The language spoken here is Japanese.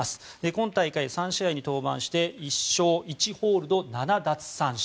今大会、３試合に登板して１勝１ホールド７奪三振。